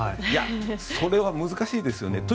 いや、それは難しいですよね。